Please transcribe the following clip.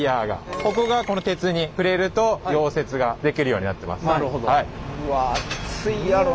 ここが鉄に触れると溶接ができるようになってます。